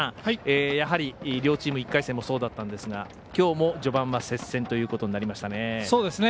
やはり両チーム１回戦もそうでしたがきょうも序盤は接戦ということになりましたね。